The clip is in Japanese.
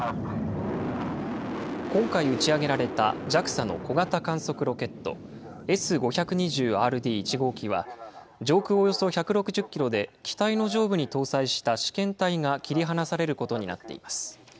今回打ち上げられたＪＡＸＡの小型観測ロケット、Ｓー５２０ーＲＤ１号機は、上空およそ１６０キロで機体の上部に搭載した試験体が切り離されることになっています。